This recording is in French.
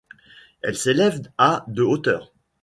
Elle s'élève à de hauteur.